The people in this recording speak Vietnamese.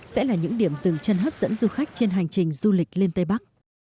sẽ là những điểm dừng chân hấp dẫn du khách trên hành trình du lịch lên tây bắc